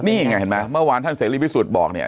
นี่ไงเห็นไหมเมื่อวานท่านเสรีพิสุทธิ์บอกเนี่ย